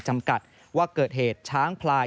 จำกัดว่าเกิดเหตุช้างพลาย